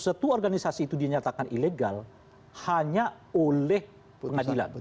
satu organisasi itu dinyatakan ilegal hanya oleh pengadilan